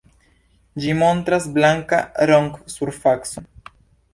Ĝi montras blankan romp-surfacon.